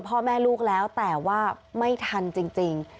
พ่อแม่ลูกแล้วแต่ว่าไม่ทันจริง